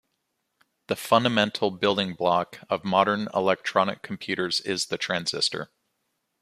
The fundamental building block of modern electronic computers is the transistor.